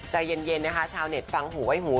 ใจเย็นนะคะชาวเน็ตฟังหูไว้หู